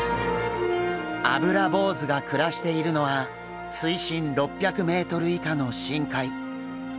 アブラボウズが暮らしているのは水深６００ｍ以下の深海。